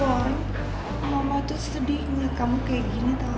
wah mama tuh sedih ya kamu kayak gini tau